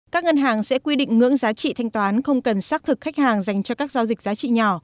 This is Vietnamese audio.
các ngân hàng sẽ quy định ngưỡng giá trị thanh toán không cần xác thực khách hàng dành cho các giao dịch giá trị nhỏ